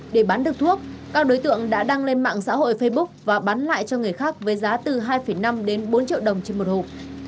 để bán được thuốc các đối tượng đã đăng lên mạng xã hội facebook và bán lại cho người khác với giá từ hai năm đến bốn triệu đồng trên một hộp